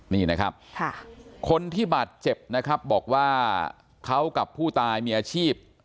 นี่นะครับคนที่บาดเจ็บนะครับบอกว่าเขากับผู้ตายมีอาชีพ